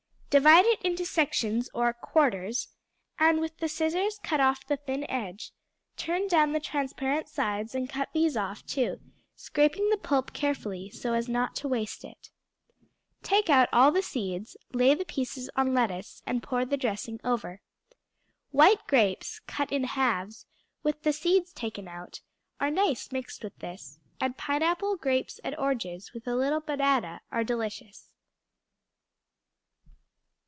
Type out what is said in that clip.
Divide it into sections, or ``quarters,'' and with the scissors cut off the thin edge; turn down the transparent sides and cut these off, too, scraping the pulp carefully, so as not to waste it. Take out all the seeds; lay the pieces on lettuce, and pour the dressing over. White grapes, cut in halves, with the seeds taken out, are nice mixed with this, and pineapple, grapes, and oranges, with a little banana, are delicious.